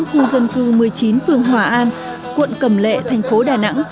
khu dân cư một mươi chín phường hòa an quận cầm lệ thành phố đà nẵng